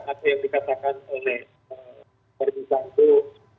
apa yang dikatakan oleh fadil sambo